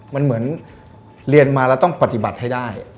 มันเหมือนเรียนมาแล้วต้องปฏิบัติให้ได้